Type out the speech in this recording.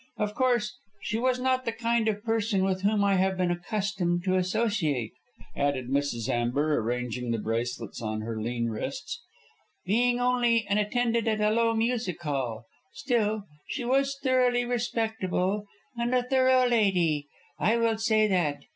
Of course, she was not the kind of person with whom I have been accustomed to associate," added Mrs. Amber, arranging the bracelets on her lean wrists, "being only an attendant at a low music hall. Still, she was thoroughly respectable, and a thorough lady, I will say that.